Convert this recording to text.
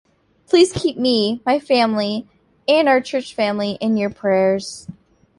Please keep me, my family and our church family in your prayers.